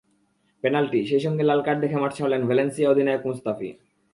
Penalty, সেই সঙ্গে লাল কার্ড দেখে মাঠ ছাড়লেন ভ্যালেন্সিয়া অধিনায়ক মুস্তাফি।